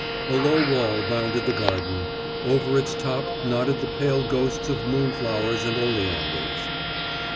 A low wall bounded the garden; over its top nodded the pale ghosts of moonflowers and oleanders.